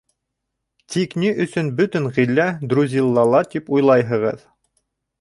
Тик ни өсөн бөтөн ғиллә Друзиллала тип уйлайһығыҙ?